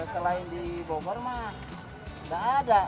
selain di bogor mah nggak ada